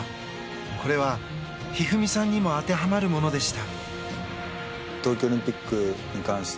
これは一二三さんにも当てはまるものでした。